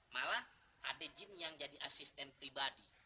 malah ada jin yang jadi asisten pribadi